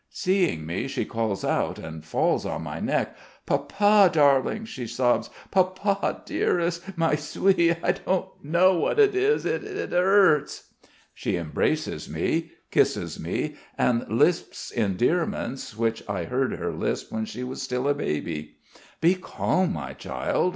Seeing me, she calls out and falls on my neck. "Papa darling," she sobs. "Papa dearest ... my sweet. I don't know what it is.... It hurts." She embraces me, kisses me and lisps endearments which I heard her lisp when she was still a baby. "Be calm, my child.